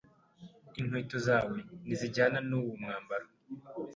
Inkweto zawe ntizijyana nuwo mwambaro.